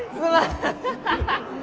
ハハハハ！